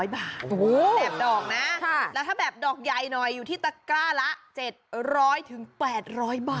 แบบดอกนะแล้วถ้าแบบดอกใหญ่หน่อยอยู่ที่ตะกร้าละ๗๐๐๘๐๐บาท